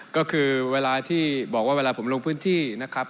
ก็คือเวลาที่บอกว่าเวลาผมลงพื้นที่นะครับ